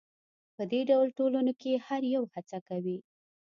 په دې ډول ټولنو کې هر یو هڅه کوي